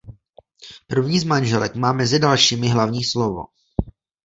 První z manželek má mezi dalšími hlavní slovo.